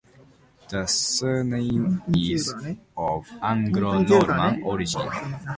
The surname is of Anglo-Norman origin.